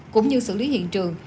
cũng như xử lý hiện trường